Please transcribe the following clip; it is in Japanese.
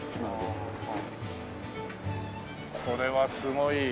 これはすごい。